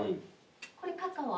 これカカオ。